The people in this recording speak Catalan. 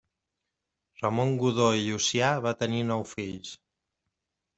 Ramon Godó i Llucià va tenir nou fills.